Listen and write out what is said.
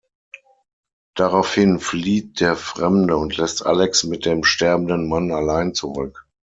Daraufhin flieht der Fremde und lässt Alex mit dem sterbenden Mann allein zurück.